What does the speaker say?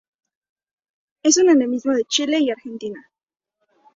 Es un endemismo de Chile y Argentina.